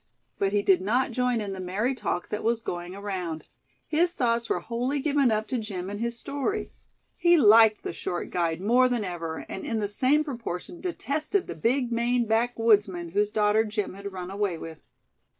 But he did not join in the merry talk that was going around. His thoughts were wholly given up to Jim and his story. He liked the short guide more than ever; and in the same proportion detested the big Maine backwoodsman whose daughter Jim had run away with.